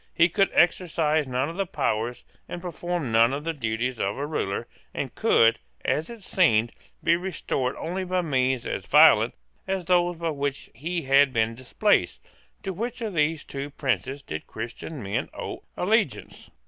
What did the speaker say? He could exercise none of the powers and perform none of the duties of a ruler, and could, as it seemed, be restored only by means as violent as those by which he had been displaced, to which of these two princes did Christian men owe allegiance?